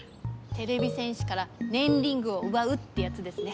てれび戦士からねんリングをうばうってやつですね。